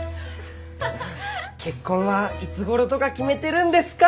結婚はいつごろとか決めてるんですか？